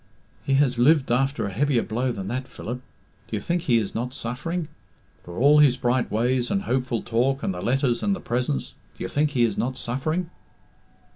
"He has lived after a heavier blow than that, Philip. Do you think he is not suffering? For all his bright ways and hopeful talk and the letters and the presents, do you think he is not suffering?"